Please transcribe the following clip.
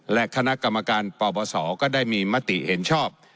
และคณะกรรมการปปศก็ได้มีมติเห็นชอบ